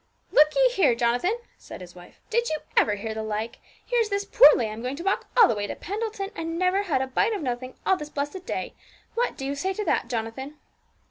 'Look ye here, Jonathan,' said his wife, 'did you ever hear the like? Here's this poor lamb going to walk all the way to Pendleton, and never had a bite of nothing all this blessed day! What do you say to that, Jonathan?'